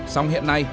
xong hiện nay